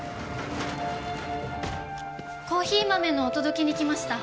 コーヒー豆のお届けに来ました